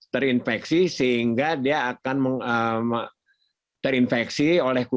terinfeksi sehingga dia akan terinfeksi oleh covid sembilan belas